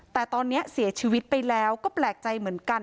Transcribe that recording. แต่ตอนนี้เสียชีวิตไปแล้วก็แปลกใจเหมือนกัน